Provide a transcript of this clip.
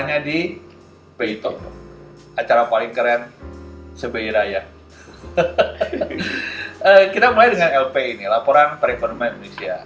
hanya di beito acara paling keren sebeiraya kita mulai dengan lp ini laporan perempuan indonesia